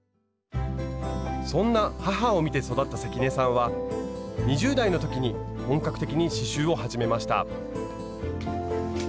そんな母を見て育った関根さんは２０代の時に本格的に刺しゅうを始めました。